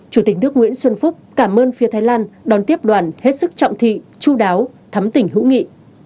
chủ tịch nước nguyễn xuân phúc cảm ơn phía thái lan đón tiếp đoàn hết sức trọng thị chú đáo thắm tỉnh hữu nghị